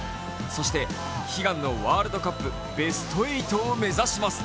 そして、悲願のワールドカップベスト８を目指します。